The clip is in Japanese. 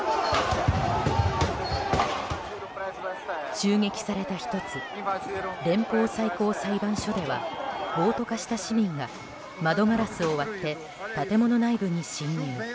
襲撃された１つ連邦最高裁判所では暴徒化した市民が窓ガラスを割って建物内部に侵入。